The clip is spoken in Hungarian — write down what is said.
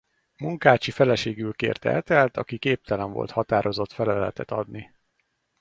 Munkácsy feleségül kérte Ethelt aki képtelen volt határozott feleletet adni.